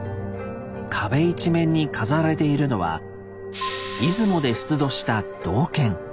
壁一面に飾られているのは出雲で出土した銅剣。